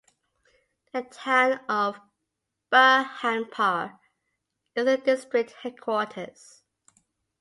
The town of Burhanpur is the district headquarters.